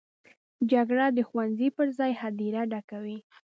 جګړه د ښوونځي پر ځای هدیره ډکوي